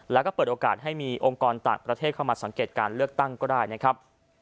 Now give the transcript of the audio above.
แล้วก็เปิดโอกาสให้มีองค์กรต่างประเทศเข้ามาสังเกตการเลือกตั้งก็ได้นะครับ